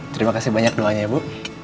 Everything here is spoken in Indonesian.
terima kasih banyak doanya ya bu